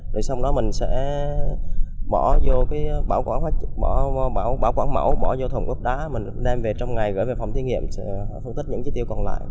rồi sau đó mình sẽ bỏ vô bảo quản mẫu bỏ vô thùng gốc đá mình đem về trong ngày gửi về phòng thiên nghiệm phân tích những chi tiêu còn lại